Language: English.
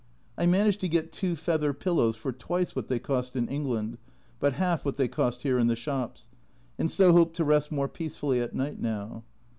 I managed to get two feather pillows for twice what they cost in England, but half what they cost here in the shops ; and so hope to rest more peacefully at night now.